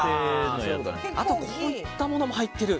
あとこういったものも入っている。